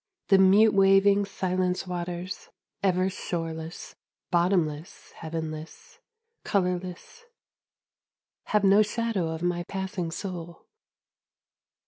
. The mute waving silence waters, ever shoreless, bottomless heavenless, colourless, have no shadow of my passing soul.